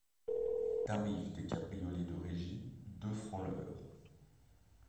Tarif des cabriolets de régie : deux francs l’heure